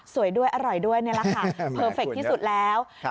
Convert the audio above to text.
สวยด้วยอร่อยด้วยนี่ล่ะค่ะแค่ดที่สุดแล้ว